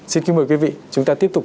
xin kính mời quý vị chúng ta tiếp tục